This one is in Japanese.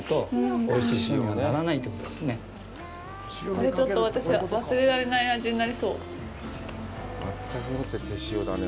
これ、ちょっと、私、忘れられない味になりそう。